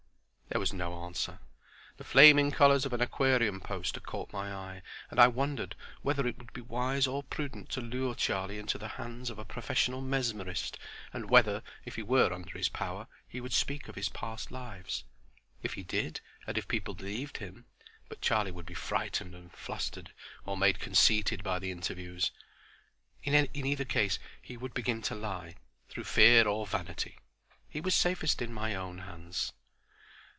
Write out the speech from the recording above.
There was no answer. The flaming colors of an Aquarium poster caught my eye and I wondered whether it would be wise or prudent to lure Charlie into the hands of the professional mesmerist, and whether, if he were under his power, he would speak of his past lives. If he did, and if people believed him—but Charlie would be frightened and flustered, or made conceited by the interviews. In either case he would begin to lie, through fear or vanity. He was safest in my own hands.